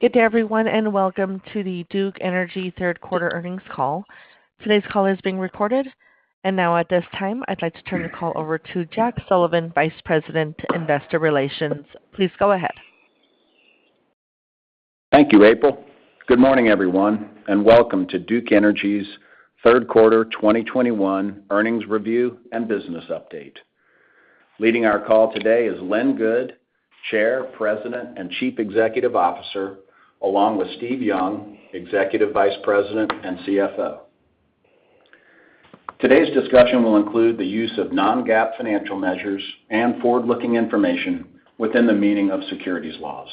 Good day, everyone, and welcome to the Duke Energy Third Quarter Earnings Call. Today's call is being recorded. Now at this time, I'd like to turn the call over to Jack Sullivan, Vice President, Investor Relations. Please go ahead. Thank you, April. Good morning, everyone, and welcome to Duke Energy's third quarter 2021 earnings review and business update. Leading our call today is Lynn Good, Chair, President, and Chief Executive Officer, along with Steve Young, Executive Vice President and CFO. Today's discussion will include the use of non-GAAP financial measures and forward-looking information within the meaning of securities laws.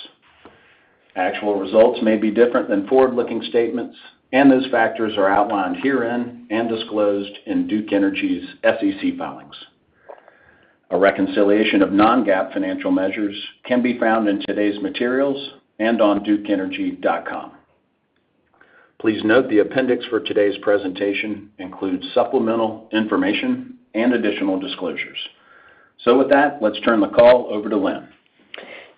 Actual results may be different than forward-looking statements, and those factors are outlined herein and disclosed in Duke Energy's SEC filings. A reconciliation of non-GAAP financial measures can be found in today's materials and on dukeenergy.com. Please note the appendix for today's presentation includes supplemental information and additional disclosures. With that, let's turn the call over to Lynn.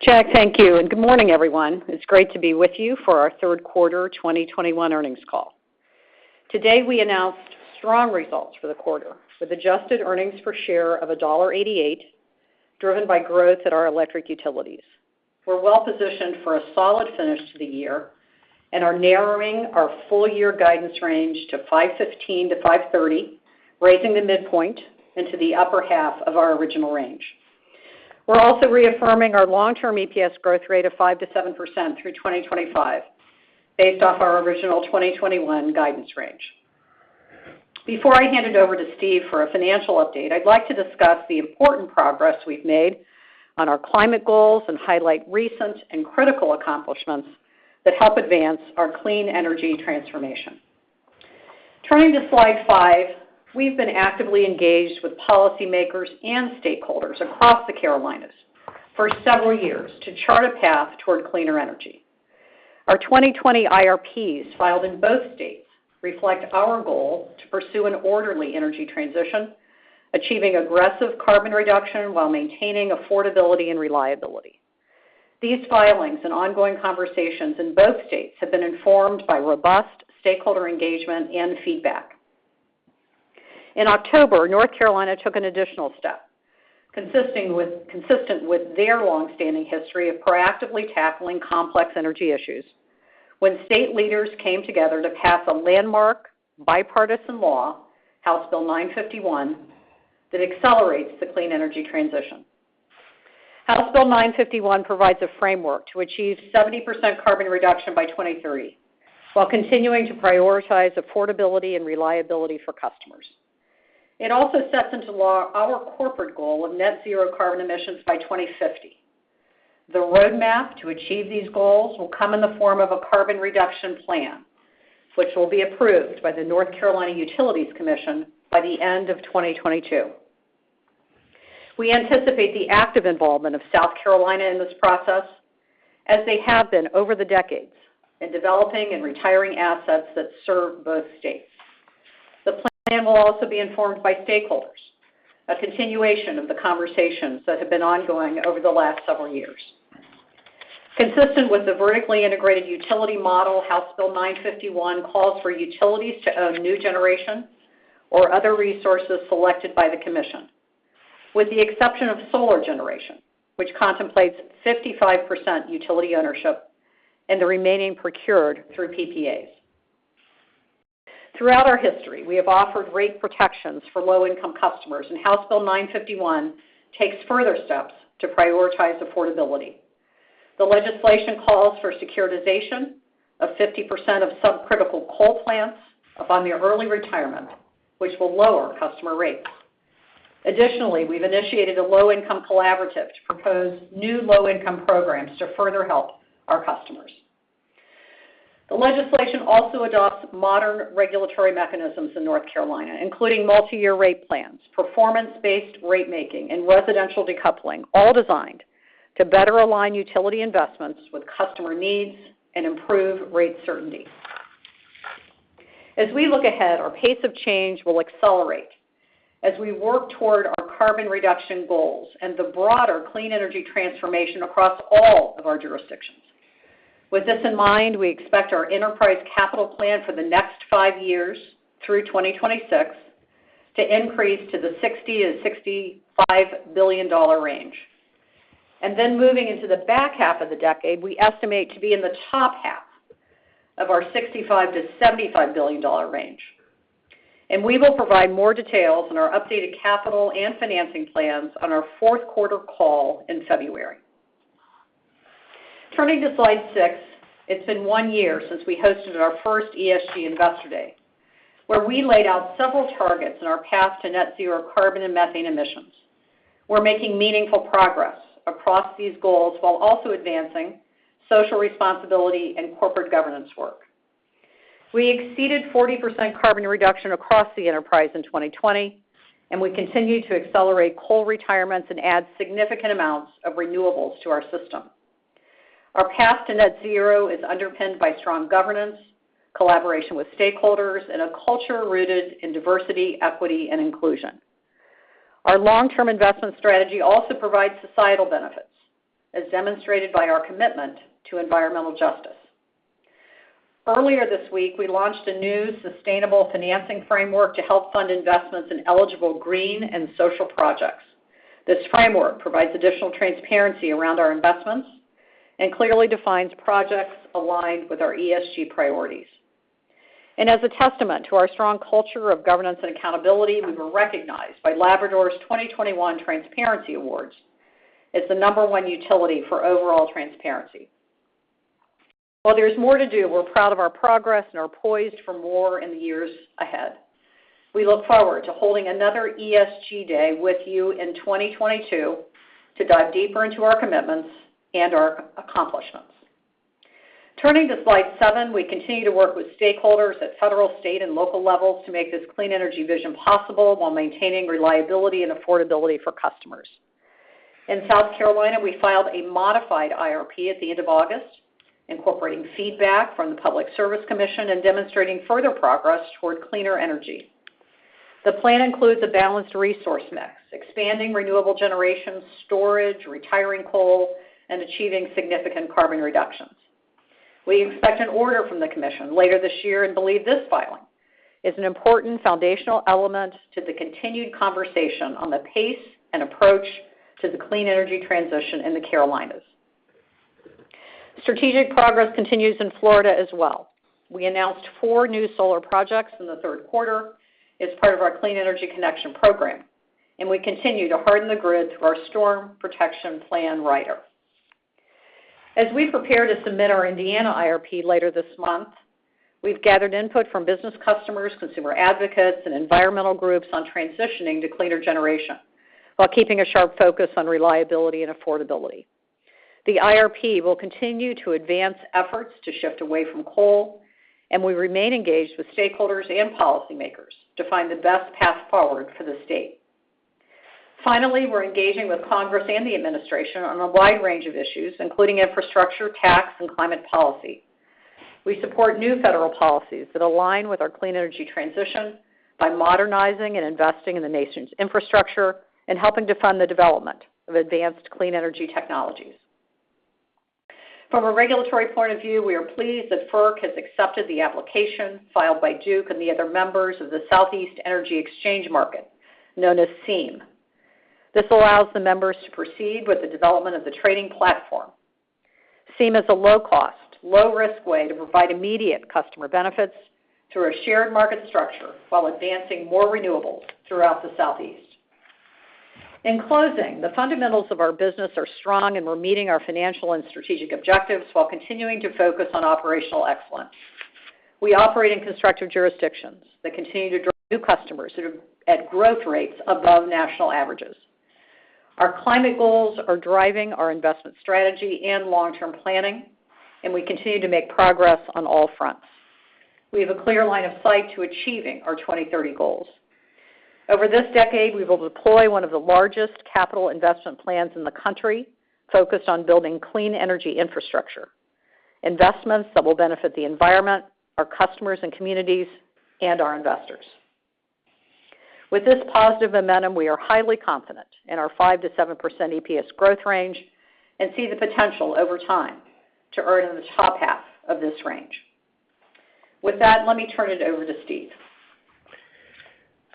Jack, thank you, and good morning, everyone. It's great to be with you for our third quarter 2021 earnings call. Today, we announced strong results for the quarter, with adjusted earnings per share of $1.88, driven by growth at our electric utilities. We're well-positioned for a solid finish to the year and are narrowing our full-year guidance range to $5.15-$5.30, raising the midpoint into the upper half of our original range. We're also reaffirming our long-term EPS growth rate of 5%-7% through 2025 based off our original 2021 guidance range. Before I hand it over to Steve for a financial update, I'd like to discuss the important progress we've made on our climate goals and highlight recent and critical accomplishments that help advance our clean energy transformation. Turning to Slide Five, we've been actively engaged with policymakers and stakeholders across the Carolinas for several years to chart a path toward cleaner energy. Our 2020 IRPs filed in both states reflect our goal to pursue an orderly energy transition, achieving aggressive carbon reduction while maintaining affordability and reliability. These filings and ongoing conversations in both states have been informed by robust stakeholder engagement and feedback. In October, North Carolina took an additional step, consistent with their long-standing history of proactively tackling complex energy issues when state leaders came together to pass a landmark bipartisan law, House Bill 951, that accelerates the clean energy transition. House Bill 951 provides a framework to achieve 70% carbon reduction by 2023 while continuing to prioritize affordability and reliability for customers. It also sets into law our corporate goal of net zero carbon emissions by 2050. The roadmap to achieve these goals will come in the form of a carbon reduction plan, which will be approved by the North Carolina Utilities Commission by the end of 2022. We anticipate the active involvement of South Carolina in this process, as they have been over the decades in developing and retiring assets that serve both states. The plan will also be informed by stakeholders, a continuation of the conversations that have been ongoing over the last several years. Consistent with the vertically integrated utility model, House Bill 951 calls for utilities to own new generation or other resources selected by the commission, with the exception of solar generation, which contemplates 55% utility ownership and the remaining procured through PPAs. Throughout our history, we have offered rate protections for low-income customers, and House Bill 951 takes further steps to prioritize affordability. The legislation calls for securitization of 50% of subcritical coal plants upon their early retirement, which will lower customer rates. Additionally, we've initiated a low-income collaborative to propose new low-income programs to further help our customers. The legislation also adopts modern regulatory mechanisms in North Carolina, including multi-year rate plans, performance-based ratemaking, and residential decoupling, all designed to better align utility investments with customer needs and improve rate certainty. As we look ahead, our pace of change will accelerate as we work toward our carbon reduction goals and the broader clean energy transformation across all of our jurisdictions. With this in mind, we expect our enterprise capital plan for the next next years through 2026 to increase to the $60 billion-$65 billion range. Then moving into the back half of the decade, we estimate to be in the top half of our $65 billion-$75 billion range. We will provide more details on our updated capital and financing plans on our fourth quarter call in February. Turning to Slide Six, it's been one year since we hosted our first ESG Investor Day, where we laid out several targets in our path to net zero carbon and methane emissions. We're making meaningful progress across these goals while also advancing social responsibility and corporate governance work. We exceeded 40% carbon reduction across the enterprise in 2020, and we continue to accelerate coal retirements and add significant amounts of renewables to our system. Our path to net zero is underpinned by strong governance, collaboration with stakeholders, and a culture rooted in diversity, equity, and inclusion. Our long-term investment strategy also provides societal benefits, as demonstrated by our commitment to environmental justice. Earlier this week, we launched a new sustainable financing framework to help fund investments in eligible green and social projects. This framework provides additional transparency around our investments and clearly defines projects aligned with our ESG priorities. As a testament to our strong culture of governance and accountability, we were recognized by Labrador's 2021 Transparency Awards as the number one utility for overall transparency. While there's more to do, we're proud of our progress and are poised for more in the years ahead. We look forward to holding another ESG day with you in 2022 to dive deeper into our commitments and our accomplishments. Turning to Slide Seven, we continue to work with stakeholders at federal, state, and local levels to make this clean energy vision possible while maintaining reliability and affordability for customers. In South Carolina, we filed a modified IRP at the end of August, incorporating feedback from the Public Service Commission and demonstrating further progress toward cleaner energy. The plan includes a balanced resource mix, expanding renewable generation storage, retiring coal, and achieving significant carbon reductions. We expect an order from the commission later this year and believe this filing is an important foundational element to the continued conversation on the pace and approach to the clean energy transition in the Carolinas. Strategic progress continues in Florida as well. We announced four new solar projects in the third quarter as part of our Clean Energy Connection program, and we continue to harden the grid through our Storm Protection Plan rider. As we prepare to submit our Indiana IRP later this month, we've gathered input from business customers, consumer advocates, and environmental groups on transitioning to cleaner generation while keeping a sharp focus on reliability and affordability. The IRP will continue to advance efforts to shift away from coal, and we remain engaged with stakeholders and policymakers to find the best path forward for the state. Finally, we're engaging with U.S. Congress and the administration on a wide range of issues, including infrastructure, tax, and climate policy. We support new federal policies that align with our clean energy transition by modernizing and investing in the nation's infrastructure and helping to fund the development of advanced clean energy technologies. From a regulatory point of view, we are pleased that FERC has accepted the application filed by Duke and the other members of the Southeast Energy Exchange Market, known as SEEM. This allows the members to proceed with the development of the trading platform. SEEM is a low-cost, low-risk way to provide immediate customer benefits through a shared market structure while advancing more renewables throughout the Southeast. In closing, the fundamentals of our business are strong, and we're meeting our financial and strategic objectives while continuing to focus on operational excellence. We operate in constructive jurisdictions that continue to draw new customers who are at growth rates above national averages. Our climate goals are driving our investment strategy and long-term planning, and we continue to make progress on all fronts. We have a clear line of sight to achieving our 2030 goals. Over this decade, we will deploy one of the largest capital investment plans in the country focused on building clean energy infrastructure, investments that will benefit the environment, our customers and communities, and our investors. With this positive momentum, we are highly confident in our 5%-7% EPS growth range and see the potential over time to earn in the top half of this range. With that, let me turn it over to Steve.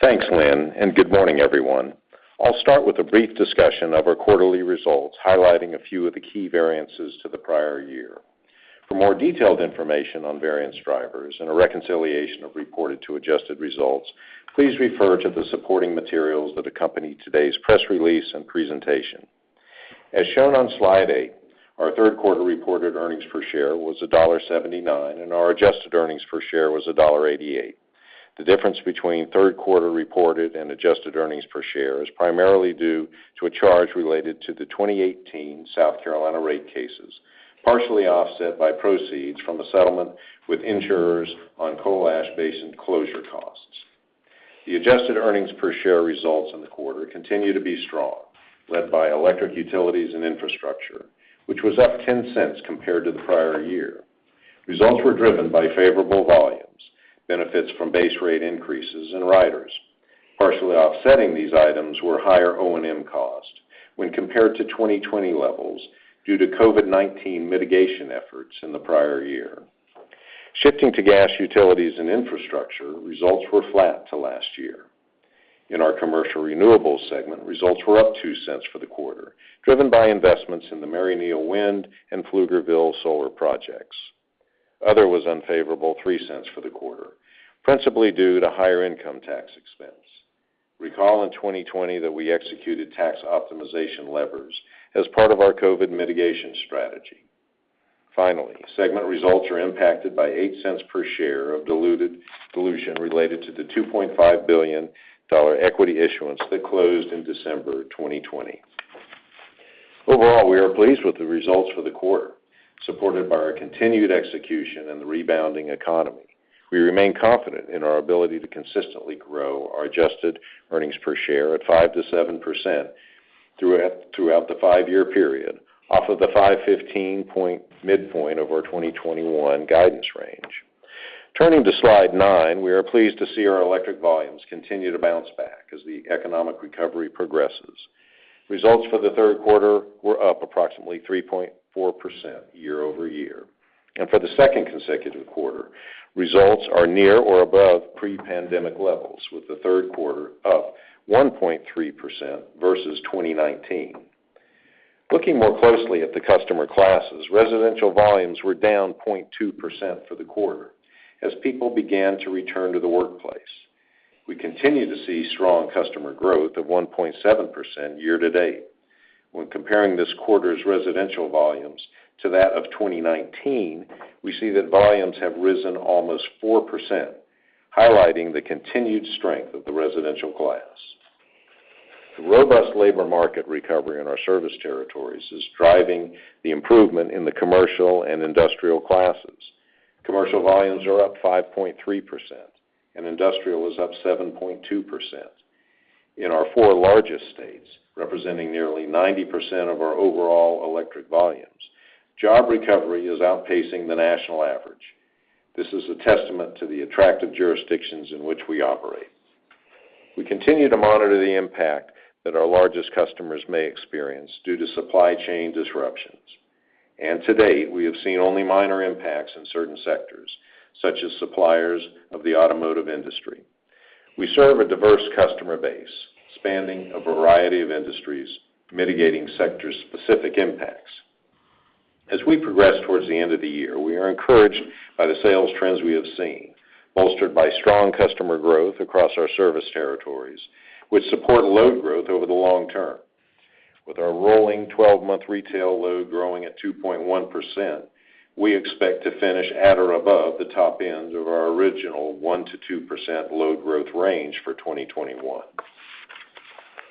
Thanks, Lynn, and good morning, everyone. I'll start with a brief discussion of our quarterly results, highlighting a few of the key variances to the prior year. For more detailed information on variance drivers and a reconciliation of reported to adjusted results, please refer to the supporting materials that accompany today's press release and presentation. As shown on Slide Eight, our third quarter reported earnings per share was $1.79, and our adjusted earnings per share was $1.88. The difference between third quarter reported and adjusted earnings per share is primarily due to a charge related to the 2018 South Carolina rate cases, partially offset by proceeds from a settlement with insurers on coal ash basin closure costs. The adjusted earnings per share results in the quarter continue to be strong, led by electric utilities and infrastructure, which was up $0.10 compared to the prior year. Results were driven by favorable volumes, benefits from base rate increases and riders. Partially offsetting these items were higher O&M costs when compared to 2020 levels due to COVID-19 mitigation efforts in the prior year. Shifting to gas, utilities, and infrastructure, results were flat to last year. In our commercial renewables segment, results were up $0.02 for the quarter, driven by investments in the Maryneal Wind and Pflugerville solar projects. Other was unfavorable $0.03 for the quarter, principally due to higher income tax expense. Recall in 2020 that we executed tax optimization levers as part of our COVID mitigation strategy. Finally, segment results are impacted by $0.08 per share of dilution related to the $2.5 billion equity issuance that closed in December 2020. Overall, we are pleased with the results for the quarter, supported by our continued execution and the rebounding economy. We remain confident in our ability to consistently grow our adjusted earnings per share at 5%-7% throughout the five-year period off of the $5.15 midpoint of our 2021 guidance range. Turning to Slide Nine. We are pleased to see our electric volumes continue to bounce back as the economic recovery progresses. Results for the third quarter were up approximately 3.4% year-over-year, and for the second consecutive quarter, results are near or above pre-pandemic levels, with the third quarter up 1.3% versus 2019. Looking more closely at the customer classes, residential volumes were down 0.2% for the quarter as people began to return to the workplace. We continue to see strong customer growth of 1.7% year-to-date. When comparing this quarter's residential volumes to that of 2019, we see that volumes have risen almost 4%, highlighting the continued strength of the residential class. The robust labor market recovery in our service territories is driving the improvement in the commercial and industrial classes. Commercial volumes are up 5.3%, and industrial is up 7.2%. In our four largest states, representing nearly 90% of our overall electric volumes, job recovery is outpacing the national average. This is a testament to the attractive jurisdictions in which we operate. We continue to monitor the impact that our largest customers may experience due to supply chain disruptions, and to date, we have seen only minor impacts in certain sectors, such as suppliers of the automotive industry. We serve a diverse customer base spanning a variety of industries, mitigating sector-specific impacts. As we progress towards the end of the year, we are encouraged by the sales trends we have seen, bolstered by strong customer growth across our service territories, which support load growth over the long term. With our rolling 12-month retail load growing at 2.1%, we expect to finish at or above the top end of our original 1%-2% load growth range for 2021.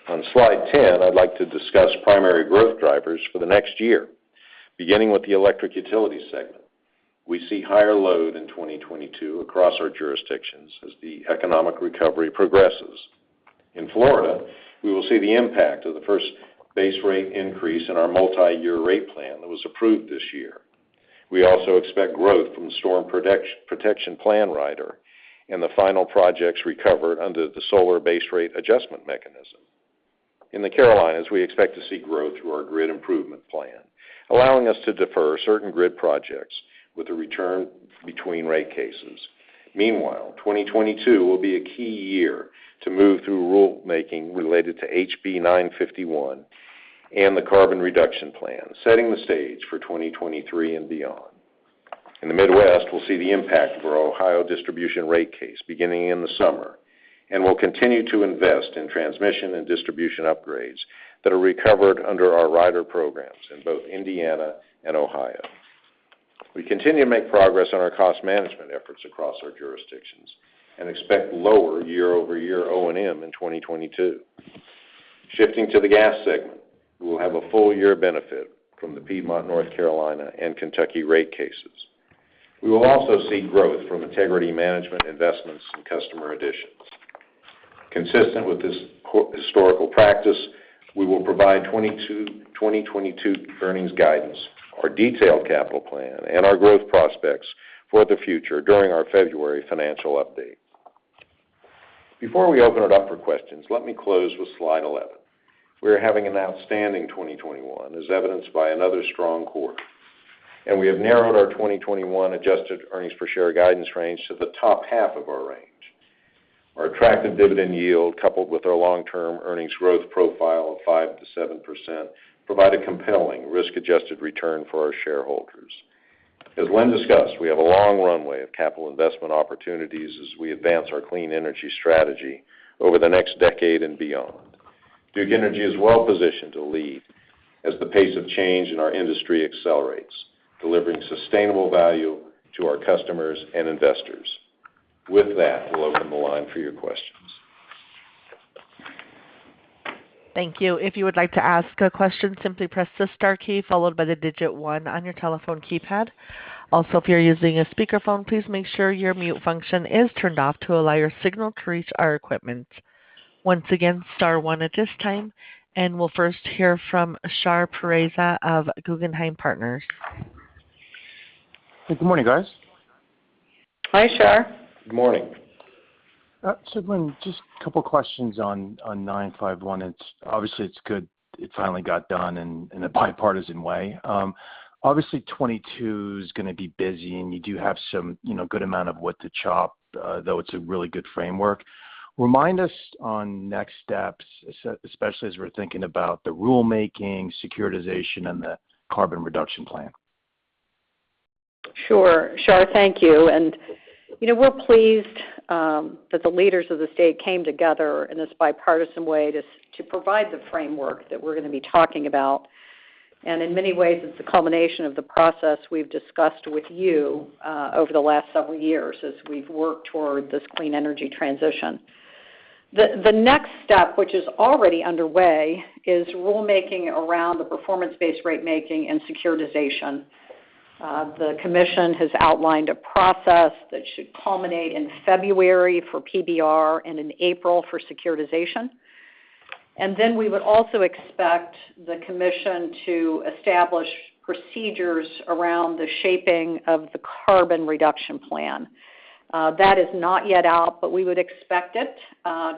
On Slide 10, I'd like to discuss primary growth drivers for the next year. Beginning with the electric utility segment, we see higher load in 2022 across our jurisdictions as the economic recovery progresses. In Florida, we will see the impact of the first base rate increase in our multi-year rate plan that was approved this year. We also expect growth from the Storm Protection Plan rider and the final projects recovered under the Solar Base Rate Adjustment mechanism. In the Carolinas, we expect to see growth through our Grid Improvement Plan, allowing us to defer certain grid projects with a return between rate cases. Meanwhile, 2022 will be a key year to move through rulemaking related to HB 951 and the Carbon Plan, setting the stage for 2023 and beyond. In the Midwest, we'll see the impact of our Ohio distribution rate case beginning in the summer, and we'll continue to invest in transmission and distribution upgrades that are recovered under our rider programs in both Indiana and Ohio. We continue to make progress on our cost management efforts across our jurisdictions and expect lower year-over-year O&M in 2022. Shifting to the gas segment, we will have a full-year benefit from the Piedmont, North Carolina, and Kentucky rate cases. We will also see growth from integrity management investments and customer additions. Consistent with this historical practice, we will provide 2022 earnings guidance, our detailed capital plan, and our growth prospects for the future during our February financial update. Before we open it up for questions, let me close with Slide 11. We are having an outstanding 2021, as evidenced by another strong quarter, and we have narrowed our 2021 adjusted earnings per share guidance range to the top half of our range. Our attractive dividend yield, coupled with our long-term earnings growth profile of 5%-7%, provide a compelling risk-adjusted return for our shareholders. As Lynn discussed, we have a long runway of capital investment opportunities as we advance our clean energy strategy over the next decade and beyond. Duke Energy is well-positioned to lead as the pace of change in our industry accelerates, delivering sustainable value to our customers and investors. With that, we'll open the line for your questions. Thank you. If you would like to ask a question, simply press the star key followed by the digit one on your telephone keypad. Also, if you're using a speakerphone, please make sure your mute function is turned off to allow your signal to reach our equipment. Once again, star one at this time, and we'll first hear from Shar Pourreza of Guggenheim Partners. Good morning, guys. Hi, Shar. Good morning. Lynn, just a couple questions on HB 951. It's obviously good it finally got done in a bipartisan way. Obviously, 2022 is gonna be busy, and you do have some, you know, good amount of wood to chop, though it's a really good framework. Remind us on next steps, especially as we're thinking about the rulemaking, securitization, and the Carbon Plan. Sure. Shar, thank you. You know, we're pleased that the leaders of the state came together in this bipartisan way to provide the framework that we're gonna be talking about. In many ways, it's the culmination of the process we've discussed with you over the last several years as we've worked toward this clean energy transition. The next step, which is already underway, is rulemaking around the performance-based ratemaking and securitization. The commission has outlined a process that should culminate in February for PBR and in April for securitization. We would also expect the commission to establish procedures around the shaping of the carbon reduction plan. That is not yet out, but we would expect it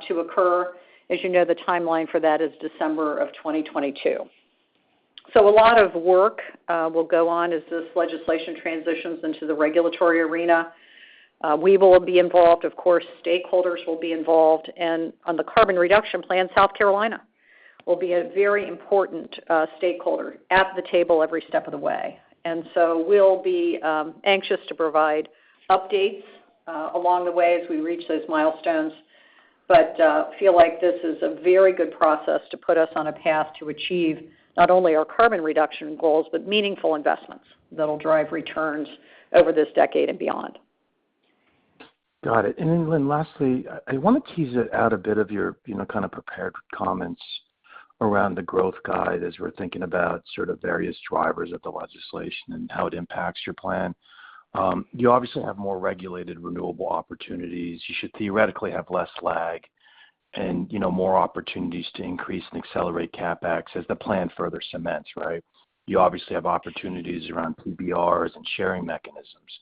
to occur. As you know, the timeline for that is December of 2022. A lot of work will go on as this legislation transitions into the regulatory arena. We will be involved, of course, stakeholders will be involved, and on the carbon reduction plan, South Carolina will be a very important stakeholder at the table every step of the way. We'll be anxious to provide updates along the way as we reach those milestones. We feel like this is a very good process to put us on a path to achieve not only our carbon reduction goals, but meaningful investments that'll drive returns over this decade and beyond. Got it. Then Lynn, lastly, I wanna tease out a bit of your, you know, kind of prepared comments around the growth guide as we're thinking about sort of various drivers of the legislation and how it impacts your plan. You obviously have more regulated renewable opportunities. You should theoretically have less lag and, you know, more opportunities to increase and accelerate CapEx as the plan further cements, right? You obviously have opportunities around PBRs and sharing mechanisms.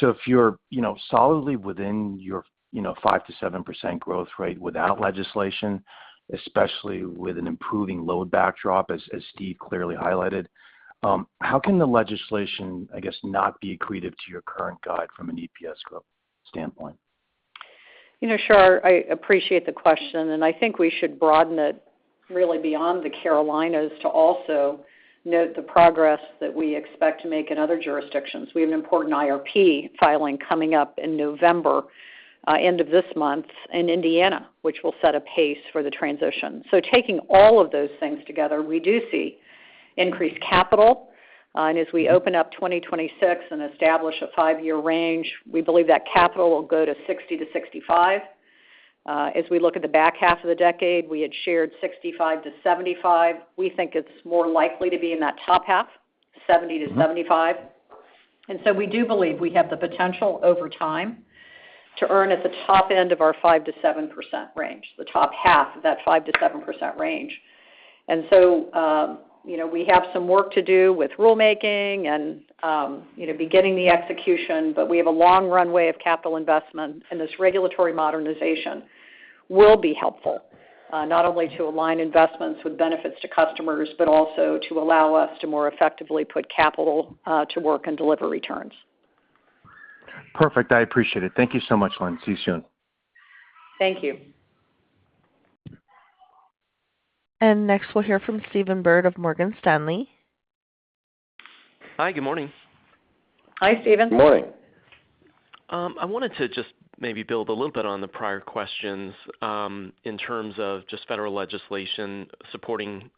If you're, you know, solidly within your, you know, 5%-7% growth rate without legislation, especially with an improving load backdrop, as Steve clearly highlighted, how can the legislation, I guess, not be accretive to your current guide from an EPS growth standpoint? You know, Shar, I appreciate the question, and I think we should broaden it really beyond the Carolinas to also note the progress that we expect to make in other jurisdictions. We have an important IRP filing coming up in November, end of this month in Indiana, which will set a pace for the transition. Taking all of those things together, we do see increased capital. As we open up 2026 and establish a five-year range, we believe that capital will go to $60 billion-$65 billion. As we look at the back half of the decade, we had shared $65 billion-$75 billion. We think it's more likely to be in that top half, $70 billion-$75 billion. We do believe we have the potential over time to earn at the top end of our 5%-7% range, the top half of that 5%-7% range. You know, we have some work to do with rulemaking and, you know, beginning the execution, but we have a long runway of capital investment, and this regulatory modernization will be helpful, not only to align investments with benefits to customers, but also to allow us to more effectively put capital, to work and deliver returns. Perfect. I appreciate it. Thank you so much, Lynn. See you soon. Thank you. Next, we'll hear from Stephen Byrd of Morgan Stanley. Hi, good morning. Hi, Stephen. Morning. I wanted to just maybe build a little bit on the prior questions, in terms of just federal legislation supporting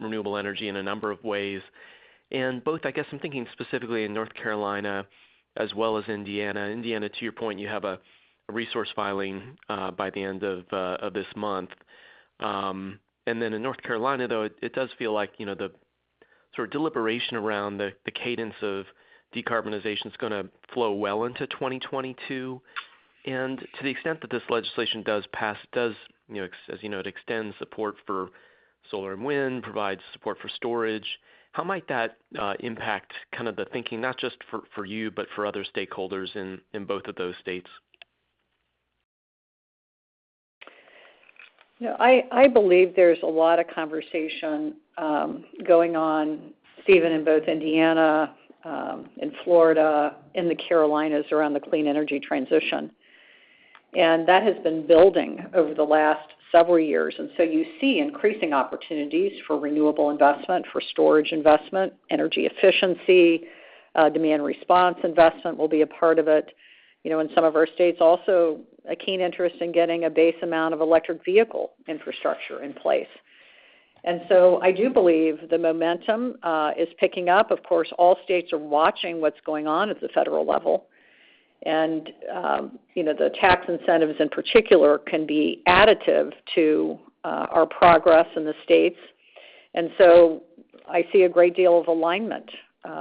renewable energy in a number of ways. Both, I guess I'm thinking specifically in North Carolina as well as Indiana. Indiana, to your point, you have a resource filing by the end of this month. In North Carolina, though, it does feel like, you know, the sort of deliberation around the cadence of decarbonization's gonna flow well into 2022. To the extent that this legislation does pass, you know, as you know, it extends support for solar and wind, provides support for storage. How might that impact kind of the thinking not just for you, but for other stakeholders in both of those states? You know, I believe there's a lot of conversation going on, Stephen, in both Indiana in Florida, in the Carolinas around the clean energy transition. That has been building over the last several years. You see increasing opportunities for renewable investment, for storage investment, energy efficiency, demand response investment will be a part of it. You know, in some of our states also a keen interest in getting a base amount of electric vehicle infrastructure in place. I do believe the momentum is picking up. Of course, all states are watching what's going on at the federal level. You know, the tax incentives in particular can be additive to our progress in the states. I see a great deal of alignment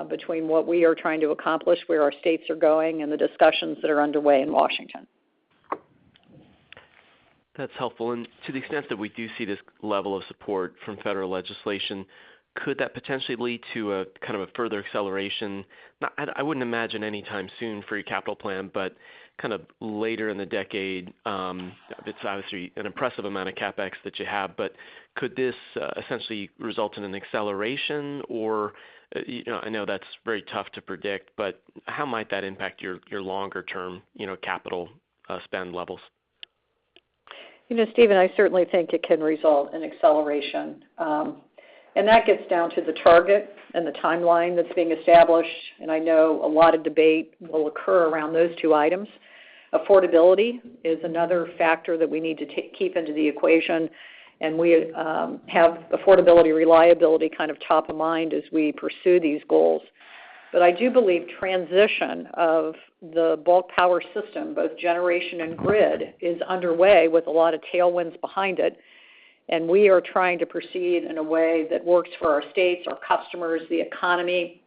between what we are trying to accomplish, where our states are going, and the discussions that are underway in Washington. That's helpful. To the extent that we do see this level of support from federal legislation, could that potentially lead to a kind of a further acceleration? I wouldn't imagine anytime soon for your capital plan, but kind of later in the decade, it's obviously an impressive amount of CapEx that you have, but could this essentially result in an acceleration or, you know, I know that's very tough to predict, but how might that impact your longer term, you know, capital spend levels? You know, Stephen, I certainly think it can result in acceleration. That gets down to the target and the timeline that's being established, and I know a lot of debate will occur around those two items. Affordability is another factor that we need to take into the equation, and we have affordability, reliability kind of top of mind as we pursue these goals. I do believe transition of the bulk power system, both generation and grid, is underway with a lot of tailwinds behind it, and we are trying to proceed in a way that works for our states, our customers, the economy.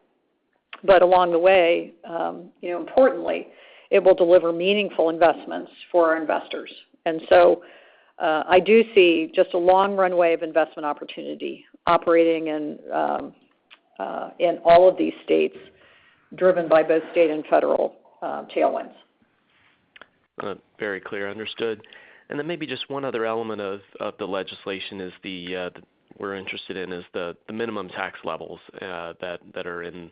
Along the way, you know, importantly, it will deliver meaningful investments for our investors. I do see just a long runway of investment opportunity operating in all of these states, driven by both state and federal tailwinds. Very clear. Understood. Maybe just one other element of the legislation that we're interested in is the minimum tax levels that are in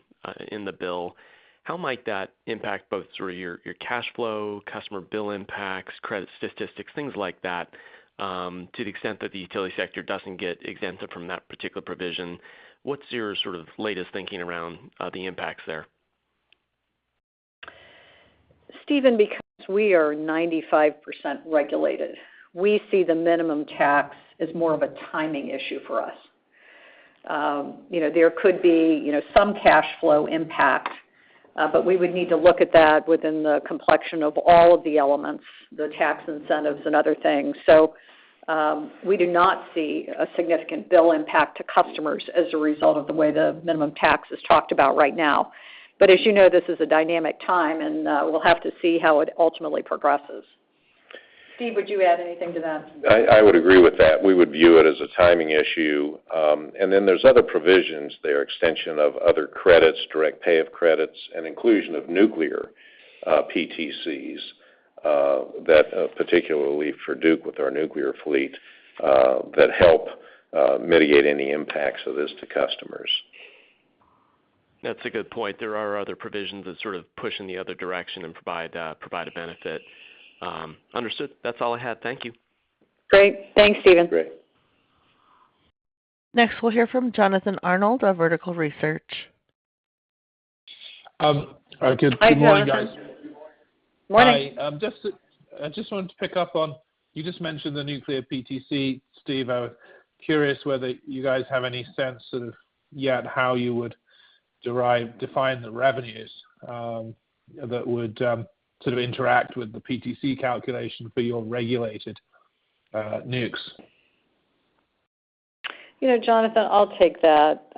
the bill. How might that impact both through your cash flow, customer bill impacts, credit statistics, things like that, to the extent that the utility sector doesn't get exempted from that particular provision? What's your sort of latest thinking around the impacts there? Stephen, because we are 95% regulated, we see the minimum tax as more of a timing issue for us. You know, there could be, you know, some cash flow impact, but we would need to look at that within the complexion of all of the elements, the tax incentives and other things. We do not see a significant bill impact to customers as a result of the way the minimum tax is talked about right now. As you know, this is a dynamic time, and we'll have to see how it ultimately progresses. Steve, would you add anything to that? I would agree with that. We would view it as a timing issue. There's other provisions there, extension of other credits, direct pay of credits, and inclusion of nuclear PTCs that particularly for Duke with our nuclear fleet that help mitigate any impacts of this to customers. That's a good point. There are other provisions that sort of push in the other direction and provide a benefit. Understood. That's all I had. Thank you. Great. Thanks, Stephen. Great. Next, we'll hear from Jonathan Arnold of Vertical Research. All right. Good morning, guys. Hi, Jonathan. Morning. Hi. I just wanted to pick up on, you just mentioned the nuclear PTC. Steve, I was curious whether you guys have any sense of yet how you would define the revenues that would sort of interact with the PTC calculation for your regulated nucs. You know, Jonathan, I'll take that.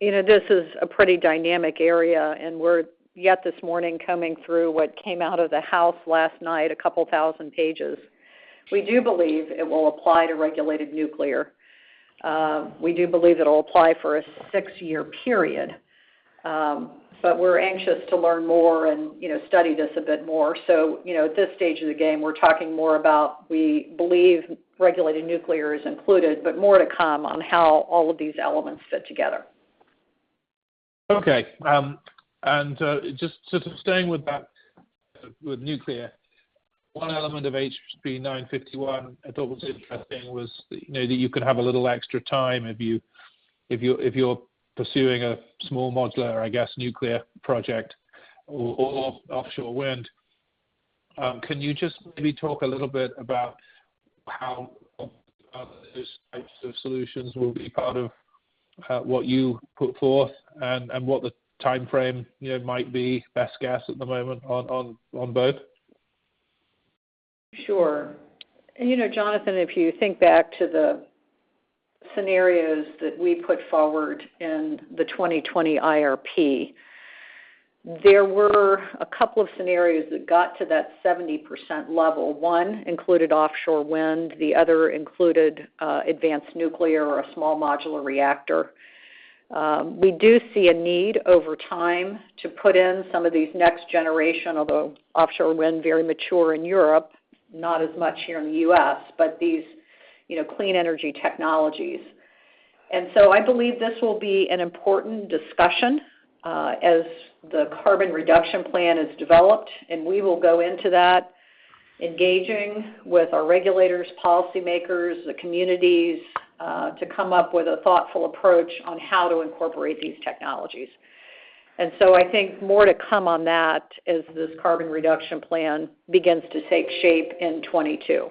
You know, this is a pretty dynamic area, and we're just this morning coming through what came out of the House last night, 2,000 pages. We do believe it will apply to regulated nuclear. We do believe it'll apply for a six-year period. But we're anxious to learn more and, you know, study this a bit more. You know, at this stage of the game, we're talking more about, we believe regulated nuclear is included, but more to come on how all of these elements fit together. Okay. Just sort of staying with that, with nuclear, one element of HB 951 I thought was interesting was, you know, that you could have a little extra time if you're pursuing a small modular, I guess, nuclear project or offshore wind. Can you just maybe talk a little bit about how those types of solutions will be part of what you put forth and what the timeframe, you know, might be, best guess at the moment on both? Sure. You know, Jonathan, if you think back to the scenarios that we put forward in the 2020 IRP, there were a couple of scenarios that got to that 70% level. One included offshore wind, the other included advanced nuclear or a small modular reactor. We do see a need over time to put in some of these next generation, although offshore wind, very mature in Europe, not as much here in the U.S., but these, you know, clean energy technologies. I believe this will be an important discussion as the Carbon Plan is developed, and we will go into that, engaging with our regulators, policymakers, the communities, to come up with a thoughtful approach on how to incorporate these technologies. I think more to come on that as this Carbon Plan begins to take shape in 2022.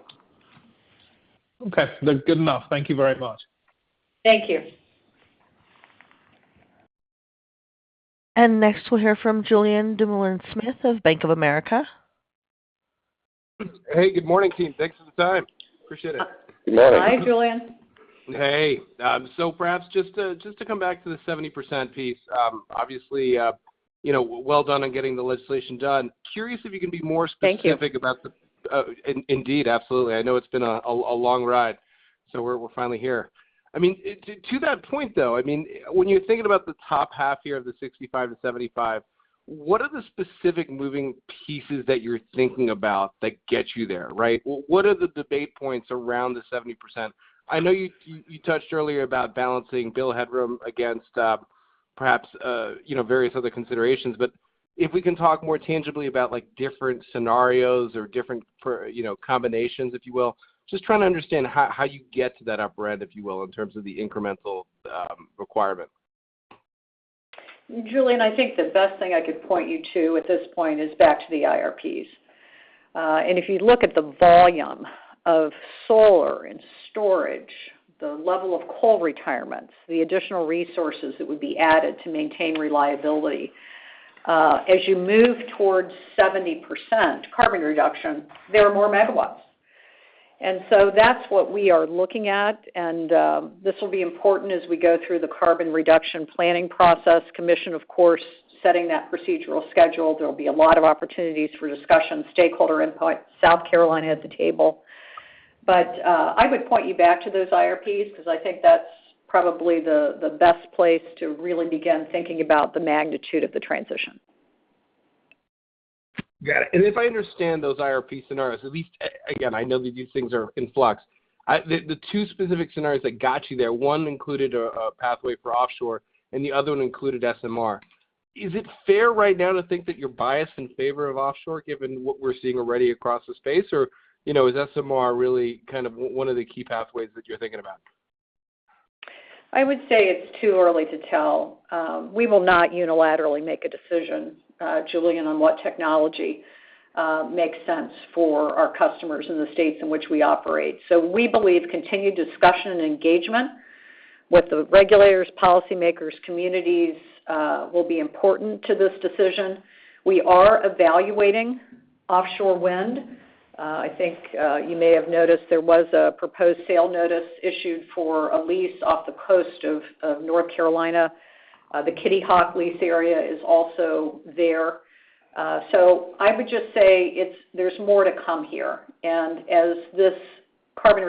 Okay. Good enough. Thank you very much. Thank you. Next, we'll hear from Julien Dumoulin-Smith of Bank of America. Hey, good morning, team. Thanks for the time. Appreciate it. Hi, Julian. Morning. Hey. Perhaps just to come back to the 70% piece, obviously, you know, well done on getting the legislation done. Curious if you can be more- Thank you. Specific about the indeed. Absolutely. I know it's been a long ride, so we're finally here. I mean, to that point, though, I mean, when you're thinking about the top half here of the 65%-75%, what are the specific moving pieces that you're thinking about that get you there, right? What are the debate points around the 70%? I know you touched earlier about balancing bill headroom against perhaps you know various other considerations. But if we can talk more tangibly about, like, different scenarios or different for you know combinations, if you will. Just trying to understand how you get to that upper end, if you will, in terms of the incremental requirement. Julien, I think the best thing I could point you to at this point is back to the IRPs. If you look at the volume of solar and storage, the level of coal retirements, the additional resources that would be added to maintain reliability, as you move towards 70% carbon reduction, there are more MW. That's what we are looking at, and this will be important as we go through the carbon reduction planning process, the Commission, of course, setting that procedural schedule. There'll be a lot of opportunities for discussion, stakeholder input. South Carolina has a seat at the table. I would point you back to those IRPs because I think that's probably the best place to really begin thinking about the magnitude of the transition. Got it. If I understand those IRP scenarios, at least, again, I know that these things are in flux. The two specific scenarios that got you there, one included a pathway for offshore and the other one included SMR. Is it fair right now to think that you're biased in favor of offshore given what we're seeing already across the space? Or, you know, is SMR really kind of one of the key pathways that you're thinking about? I would say it's too early to tell. We will not unilaterally make a decision, Julien, on what technology makes sense for our customers in the states in which we operate. We believe continued discussion and engagement with the regulators, policymakers, communities will be important to this decision. We are evaluating offshore wind. I think you may have noticed there was a proposed sale notice issued for a lease off the coast of North Carolina. The Kitty Hawk lease area is also there. I would just say there's more to come here. As this Carbon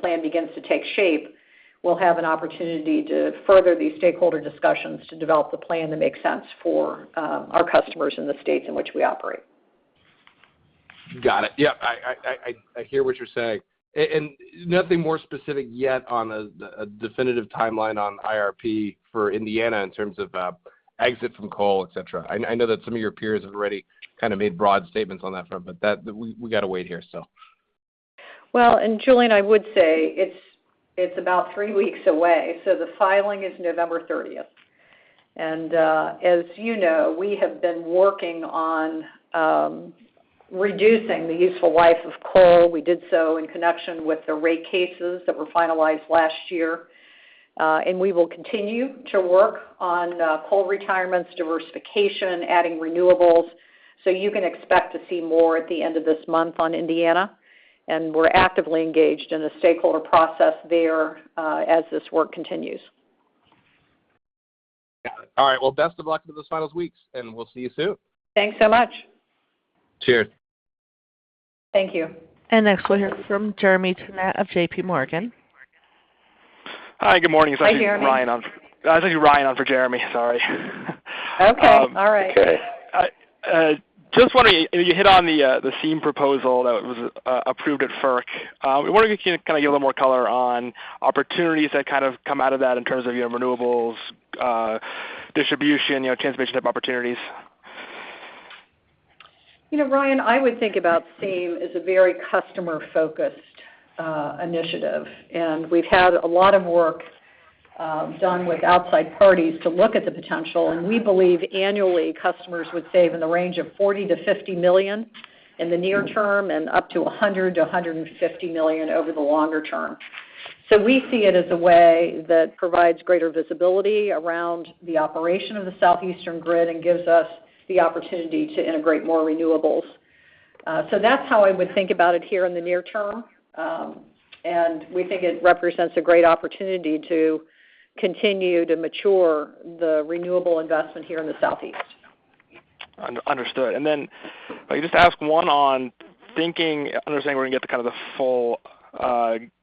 Plan begins to take shape, we'll have an opportunity to further these stakeholder discussions to develop the plan that makes sense for our customers in the states in which we operate. Got it. Yeah. I hear what you're saying. Nothing more specific yet on a definitive timeline on IRP for Indiana in terms of exit from coal, et cetera. I know that some of your peers have already kind of made broad statements on that front, but we gotta wait here. Well, Julien, I would say it's about three weeks away, so the filing is November 30th. As you know, we have been working on reducing the useful life of coal. We did so in connection with the rate cases that were finalized last year. We will continue to work on coal retirements, diversification, adding renewables. You can expect to see more at the end of this month on Indiana, and we're actively engaged in the stakeholder process there, as this work continues. Got it. All right. Well, best of luck through those finals weeks, and we'll see you soon. Thanks so much. Cheers. Thank you. Next, we'll hear from Jeremy Tonet of JPMorgan. Hi, good morning. Hi, Jeremy. This is Ryan on for Jeremy, sorry. Okay. All right. Okay. Just wondering, you hit on the the SEEM proposal that was approved at FERC. We wonder if you can kind of give a little more color on opportunities that kind of come out of that in terms of, you know, renewables, distribution, you know, transmission type opportunities. You know, Ryan, I would think about SEEM as a very customer-focused initiative, and we've had a lot of work done with outside parties to look at the potential. We believe annually customers would save in the range of $40 million-$50 million in the near term and up to $100 million-$150 million over the longer term. We see it as a way that provides greater visibility around the operation of the southeastern grid and gives us the opportunity to integrate more renewables. That's how I would think about it here in the near term. We think it represents a great opportunity to continue to mature the renewable investment here in the Southeast. Understood. If I could just ask one on thinking, understanding we're gonna get the kind of the full, you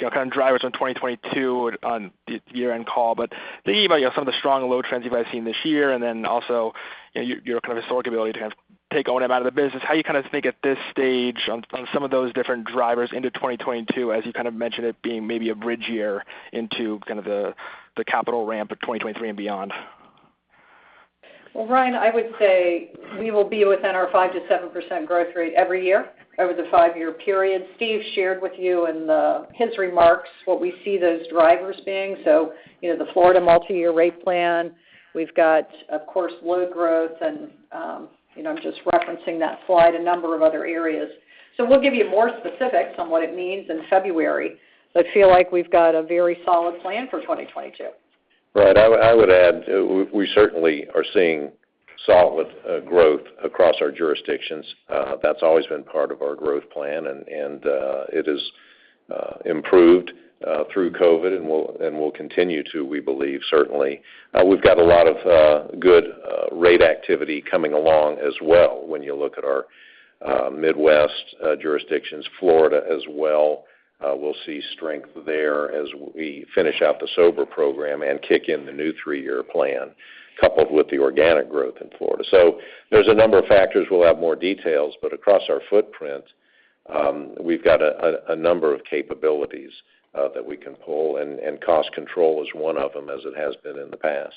know, kind of drivers on 2022 on the year-end call, but thinking about, you know, some of the strong load trends you guys seen this year and then also, you know, your historic ability to kind of take O&M out of the business. How you kind of think at this stage on some of those different drivers into 2022, as you kind of mentioned it being maybe a bridge year into the capital ramp of 2023 and beyond? Well, Ryan, I would say we will be within our 5%-7% growth rate every year over the five-year period. Steve shared with you in his remarks what we see those drivers being. You know, the Florida multi-year rate plan. We've got, of course, load growth and, you know, I'm just referencing that slide, a number of other areas. We'll give you more specifics on what it means in February, but feel like we've got a very solid plan for 2022. Right. I would add, we certainly are seeing solid growth across our jurisdictions. That's always been part of our growth plan, and it has improved through COVID, and will continue to, we believe, certainly. We've got a lot of good rate activity coming along as well when you look at our Midwest jurisdictions. Florida as well will see strength there as we finish out the SoBRA program and kick in the new three-year plan, coupled with the organic growth in Florida. There's a number of factors. We'll have more details, but across our footprint, we've got a number of capabilities that we can pull, and cost control is one of them as it has been in the past.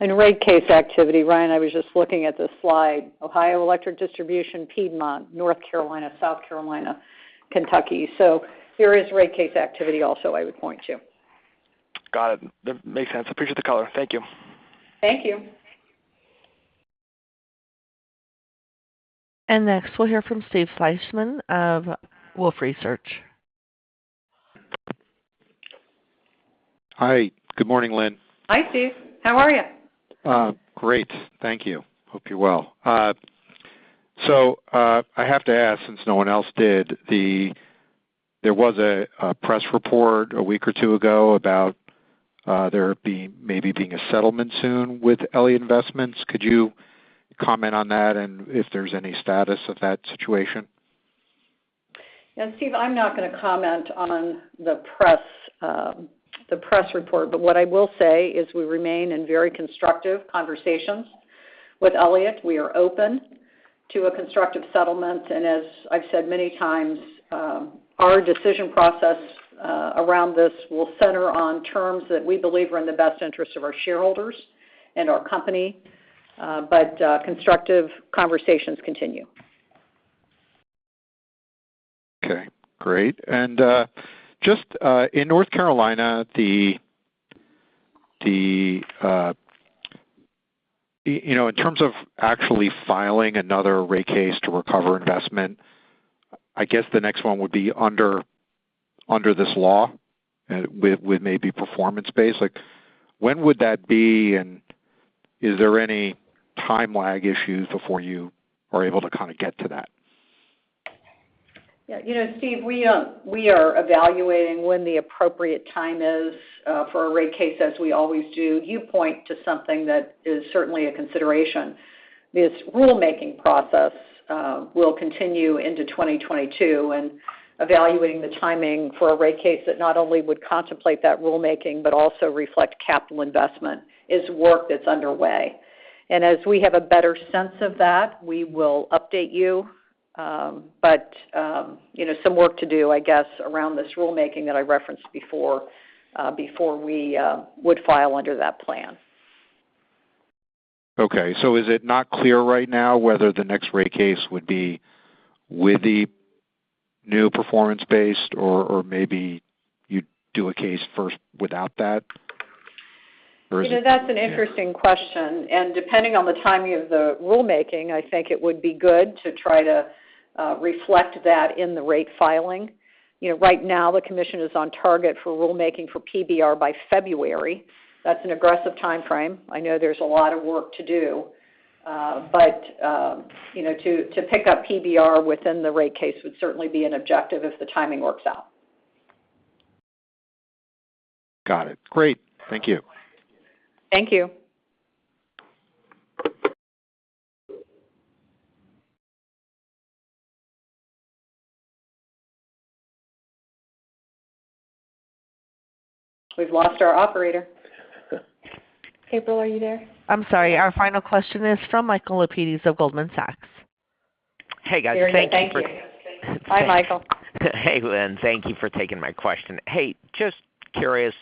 Rate case activity. Ryan, I was just looking at the slide. Ohio Electric Distribution, Piedmont, North Carolina, South Carolina, Kentucky. There is rate case activity also I would point to. Got it. That makes sense. Appreciate the color. Thank you. Thank you. Next, we'll hear from Steve Fleishman of Wolfe Research. Hi. Good morning, Lynn. Hi, Steve. How are you? Great. Thank you. Hope you're well. I have to ask since no one else did. There was a press report a week or two ago about there being maybe a settlement soon with Elliott Investment Management. Could you comment on that, and if there's any status of that situation? Yeah, Steve, I'm not gonna comment on the press, the press report. What I will say is we remain in very constructive conversations with Elliott. We are open to a constructive settlement. As I've said many times, our decision process around this will center on terms that we believe are in the best interest of our shareholders and our company. Constructive conversations continue. Okay, great. Just, in North Carolina, you know, in terms of actually filing another rate case to recover investment, I guess the next one would be under this law with maybe performance-based. Like, when would that be, and is there any time lag issues before you are able to kind of get to that? Yeah, you know, Steve, we are evaluating when the appropriate time is for a rate case as we always do. You point to something that is certainly a consideration. This rulemaking process will continue into 2022, and evaluating the timing for a rate case that not only would contemplate that rulemaking but also reflect capital investment is work that's underway. As we have a better sense of that, we will update you. You know, some work to do, I guess, around this rulemaking that I referenced before before we would file under that plan. Okay, is it not clear right now whether the next rate case would be with the new performance-based or maybe you do a case first without that? Or is it- You know, that's an interesting question. Depending on the timing of the rulemaking, I think it would be good to try to reflect that in the rate filing. You know, right now the commission is on target for rulemaking for PBR by February. That's an aggressive timeframe. I know there's a lot of work to do. You know, to pick up PBR within the rate case would certainly be an objective if the timing works out. Got it. Great. Thank you. Thank you. We've lost our operator. April, are you there? I'm sorry. Our final question is from Michael Lapides of Goldman Sachs. Hey, guys. Very good. Thank you. Thank you for. Hey, Michael. Hey, Lynn. Thank you for taking my question. Hey, just curious,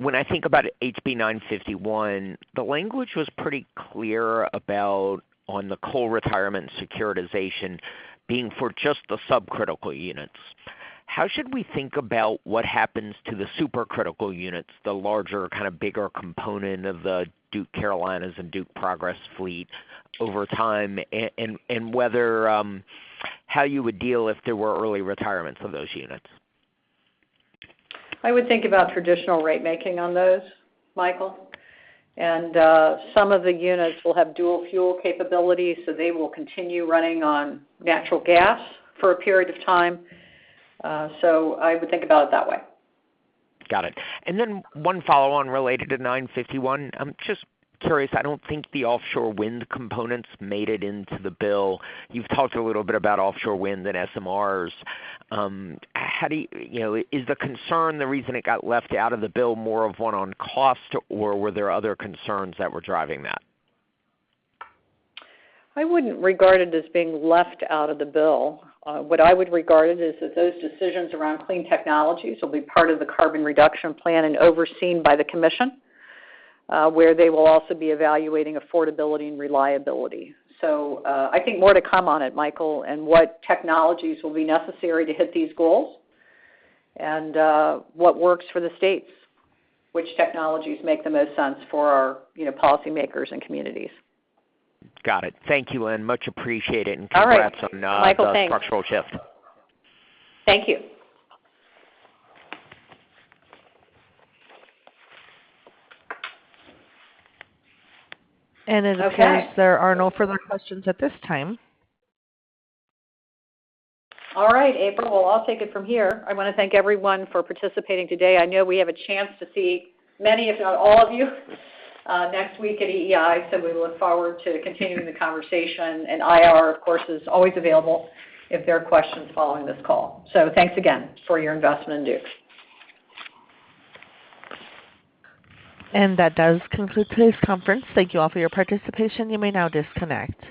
when I think about HB 951, the language was pretty clear about the coal retirement securitization being for just the subcritical units. How should we think about what happens to the supercritical units, the larger kind of bigger component of the Duke Energy Carolinas and Duke Energy Progress fleet over time and whether how you would deal if there were early retirements of those units? I would think about traditional rate making on those, Michael. Some of the units will have dual fuel capabilities, so they will continue running on natural gas for a period of time. I would think about it that way. Got it. One follow-on related to HB 951. I'm just curious. I don't think the offshore wind components made it into the bill. You've talked a little bit about offshore wind and SMRs. How do you know, is the concern the reason it got left out of the bill more of one on cost, or were there other concerns that were driving that? I wouldn't regard it as being left out of the bill. What I would regard it as is that those decisions around clean technologies will be part of the Carbon Plan and overseen by the commission, where they will also be evaluating affordability and reliability. I think more to come on it, Michael, and what technologies will be necessary to hit these goals and what works for the states, which technologies make the most sense for our, you know, policymakers and communities. Got it. Thank you, Lynn. Much appreciated. All right. Congrats on. Michael, thanks. The structural shift. Thank you. In that case. Okay There are no further questions at this time. All right, April. Well, I'll take it from here. I wanna thank everyone for participating today. I know we have a chance to see many, if not all of you, next week at EEI, so we look forward to continuing the conversation. IR, of course, is always available if there are questions following this call. Thanks again for your investment in Duke. That does conclude today's conference. Thank you all for your participation. You may now disconnect.